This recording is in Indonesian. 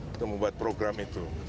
untuk membuat program itu